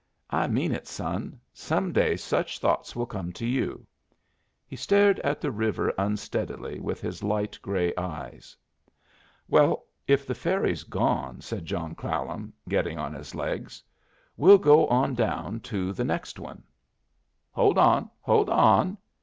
"I mean it, son. Some day such thoughts will come to you." He stared at the river unsteadily with his light gray eyes. "Well, if the ferry's gone," said John Clallam, getting on his legs, "we'll go on down to the next one." "Hold on! hold on!